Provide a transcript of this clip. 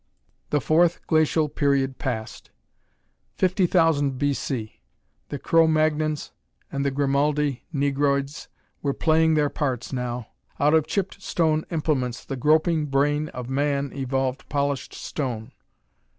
The Fourth Glacial Period passed. 50,000 B. C. The Cro Magnons and the Grimaldi Negroids were playing their parts, now. Out of chipped stone implements the groping brain of man evolved polished stone.